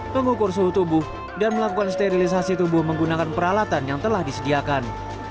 mengukur suhu tubuh dan melakukan sterilisasi tubuh menggunakan peralatan yang telah disediakan